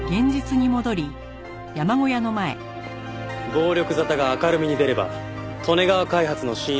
暴力沙汰が明るみに出れば利根川開発の信用は地に落ちる。